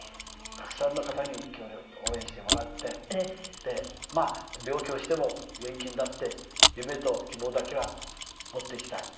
たくさんの方に応援してもらってでまあ病気をしても元気になって夢と希望だけは持っていきたいと。